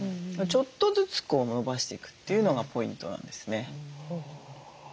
ちょっとずつ延ばしていくというのがポイントなんですね。